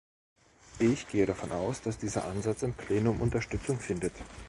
Ich gehe davon aus, dass dieser Ansatz im Plenum Unterstützung findet.